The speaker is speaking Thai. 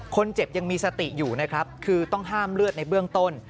คนเจ็บยังมีสติอยู่นะครับคือต้องห้ามเลือดในเบื้องต้น